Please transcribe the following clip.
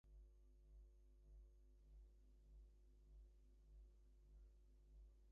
Higgs had come back form the West Indies with his reputation considerably enhanced.